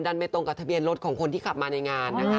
เปรียบกับทะเบียนรถของคนที่ขับมาในงาน